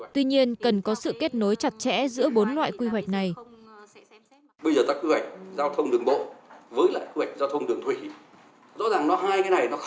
tuy nhiên cần có sự kết nối chặt chẽ giữa bốn loại quy hoạch này